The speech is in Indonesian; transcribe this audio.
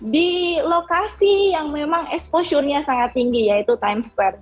di lokasi yang memang exposure nya sangat tinggi yaitu times square